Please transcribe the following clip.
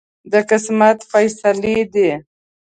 د قسمت فیصلې دي.